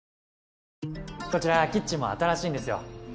こちらキッチンも新しいんですよ。